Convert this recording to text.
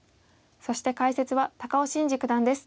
そして解説は高尾紳路九段です。